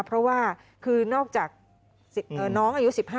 เพราะว่าคือนอกจากน้องอายุ๑๕